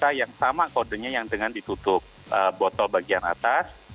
kita yang sama kodenya yang dengan ditutup botol bagian atas